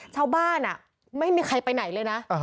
ชาวบ้านไม่มีใครไปไหนเลยนะ